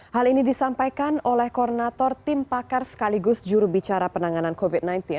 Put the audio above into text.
hal ini disampaikan oleh koordinator tim pakar sekaligus jurubicara penanganan covid sembilan belas